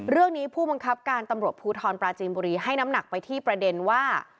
ผู้บังคับการตำรวจภูทรปราจีนบุรีให้น้ำหนักไปที่ประเด็นว่า